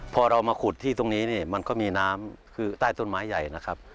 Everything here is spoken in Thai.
พอเรามาขุดที่ตรงนี้เนี่ยมันก็มีน้ำคือใต้ต้นไม้ใหญ่นะครับ